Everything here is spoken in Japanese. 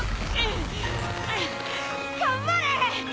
頑張れ！